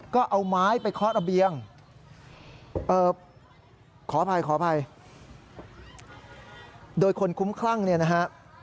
ก็เอาไม้ไปเคาะระเบียงขออภัยขออภัยโดยคนคุ้มคลั่งเนี่ยนะฮะ